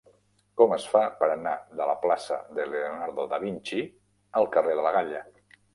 Com es fa per anar de la plaça de Leonardo da Vinci al carrer de la Galla?